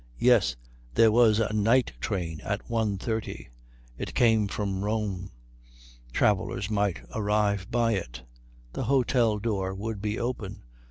Yes there was a night train at 1.30. It came from Rome. Travellers might arrive by it. The hôtel door would be open.